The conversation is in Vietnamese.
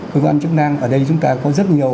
cơ quan chức năng ở đây chúng ta có rất nhiều